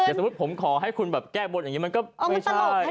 สมมุติผมขอให้คุณแบบแก้บนอย่างนี้มันก็ไม่ใช่